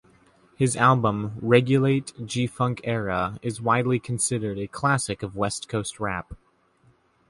His album "Regulate...G Funk Era" is widely considered a classic of West Coast rap.